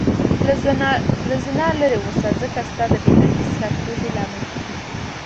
له زنا لرې اوسه ځکه ستا د بی عزتي سر کوزي لامل کيږې